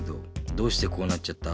どうしてこうなっちゃった？